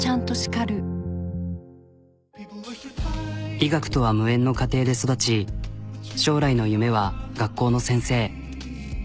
医学とは無縁の家庭で育ち将来の夢は学校の先生。